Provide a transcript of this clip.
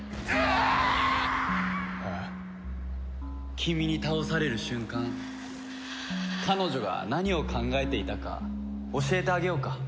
君に倒される瞬間彼女が何を考えていたか教えてあげようか？